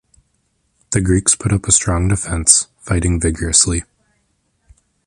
The Greeks put up a strong defense, fighting vigorously.